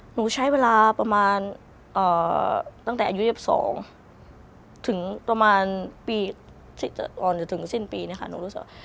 หนูใช้เวลาประมาณตั้งแต่อายุ๒๒ถึงประมาณปีก่อนจะถึงสิ้นปีเนี่ยค่ะหนูรู้สึกว่า